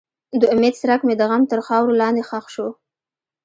د امید څرک مې د غم تر خاورو لاندې ښخ شو.